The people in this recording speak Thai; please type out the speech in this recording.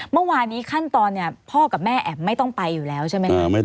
เมื่อวานนี้ขั้นตอนเนี่ยพ่อกับแม่แอ๋มไม่ต้องไปอยู่แล้วใช่ไหมครับ